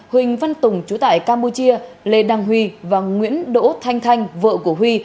huỳnh văn tùng chú tại campuchia lê đăng huy và nguyễn đỗ thanh thanh vợ của huy